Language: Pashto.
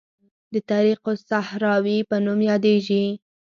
د طریق الصحراوي په نوم یادیږي.